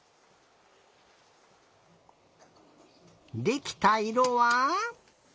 できたいろは？